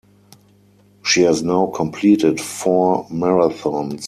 She has now completed four marathons.